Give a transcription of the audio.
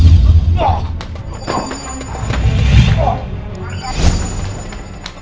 apa yang terjadi dengan muki